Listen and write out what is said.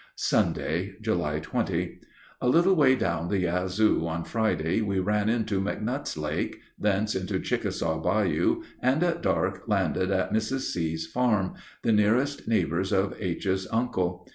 Sunday, July 20. A little way down the Yazoo on Friday we ran into McNutt's Lake, thence into Chickasaw Bayou, and at dark landed at Mrs. C.'s farm, the nearest neighbors of H.'s uncle.